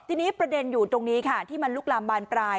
ทีนี้ประเด็นอยู่ตรงนี้ค่ะที่มันลุกลามบานปลาย